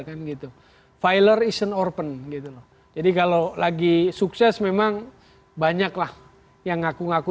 kan gitu filer ison orpen gitu loh jadi kalau lagi sukses memang banyaklah yang ngaku ngaku